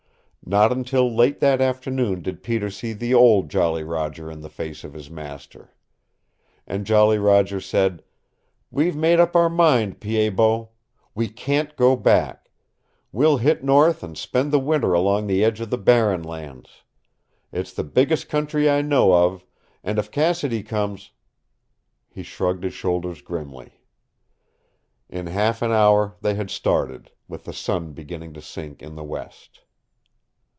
Not until late that afternoon did Peter see the old Jolly Roger in the face of his master. And Jolly Roger said: "We've made up our mind, Pied Bot. We can't go back. We'll hit north and spend the winter along the edge of the Barren Lands. It's the biggest country I know of, and if Cassidy comes " He shrugged his shoulders grimly. In half an hour they had started, with the sun beginning to sink in the west.